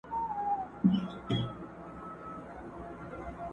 د خټین او د واورین سړک پر غاړه،!